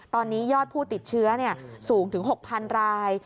ตอนนี้ยอดผู้ติดเชื้อสูงถึง๖๐๐๐ราย